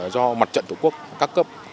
do mặt trận tổ quốc các cấp